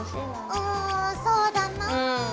うんそうだなぁ。